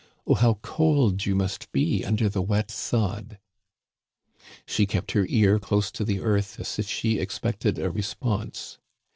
Oh, how cold you must be un der the wet sod !'" She kept her ear close to the earth, as if she expect ed a response.